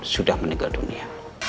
sudah meninggal dunia